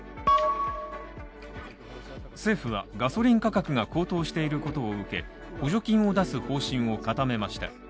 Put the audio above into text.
政府は、ガソリン価格が高騰していることを受け、補助金を出す方針を固めました。